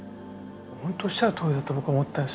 ほんとおっしゃるとおりだと僕思ったんです。